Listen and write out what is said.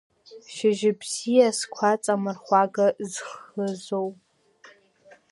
Шьыжьыбзиа, сқәаҵа, амырхәага зхызоу!